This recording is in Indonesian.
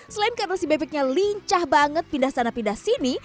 selain karena si bebeknya lincah banget pindah sana pindah sini